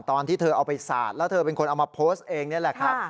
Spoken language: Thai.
ตอนที่เธอเอาไปสาดแล้วเธอเป็นคนเอามาโพสต์เองนี่แหละครับ